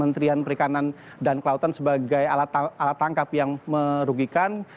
jadi kita bisa menggunakan cantrang perikanan dan kelautan sebagai alat tangkap yang merugikan